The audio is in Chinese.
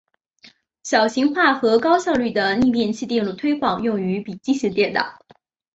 小型化和高效率的逆变器电路推广用于笔记型电脑。